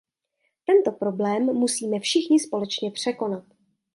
Tento problém musíme všichni společně překonat.